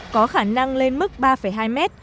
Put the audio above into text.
có khả năng lên mức ba hai mét